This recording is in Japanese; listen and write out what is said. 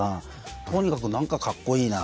とにかく何かかっこいいな。